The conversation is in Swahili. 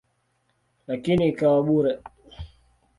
Lakini ikawa bure.